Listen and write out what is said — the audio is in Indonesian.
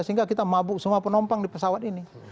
sehingga kita mabuk semua penumpang di pesawat ini